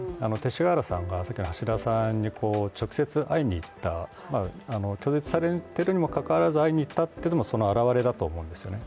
勅使河原さんがさっきの橋田さんに直接会いにいった、拒絶されているにもかかわらず会いに行ったというのも、その表れだと思うんですよね。